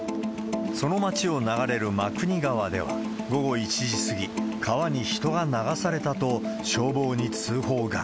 その町を流れる真国川では、午後１時過ぎ、川に人が流されたと、消防に通報が。